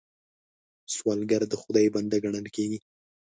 سوالګر د خدای بنده ګڼل کېږي